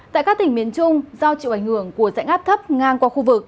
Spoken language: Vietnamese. tại các tỉnh miền trung do chịu ảnh hưởng của dãy ngáp thấp ngang qua khu vực